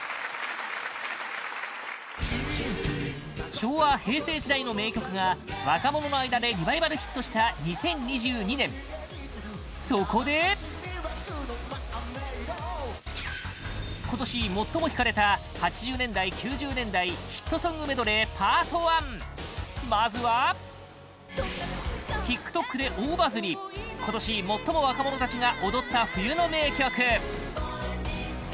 昭和・平成時代の名曲が若者の間でリバイバルヒットした２０２２年そこで今年、最も聴かれた８０年代・９０年代ヒットソングメドレーパート１まずはＴｉｋＴｏｋで大バズり今年、最も若者たちが踊った冬の名曲